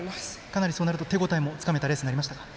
かなりそうなると手応えもつかめたレースになりましたか？